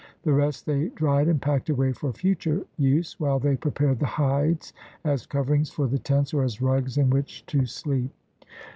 The rest they dried and packed away for future use, while they prepared the hides as coverings for the tents or as rugs in which to sleep.